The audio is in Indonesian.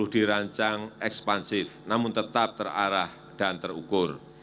dirancang ekspansif namun tetap terarah dan terukur